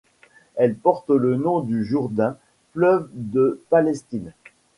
Elle porte le nom du Jourdain, fleuve de Palestine.